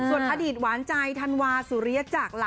ส่วนอดีตหวานใจธันวาสุริยจักรล่ะ